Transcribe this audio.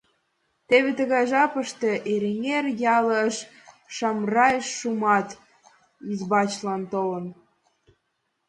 Теве тыгай жапыште Эреҥер ялыш Шамрай Шумат избачлан толын.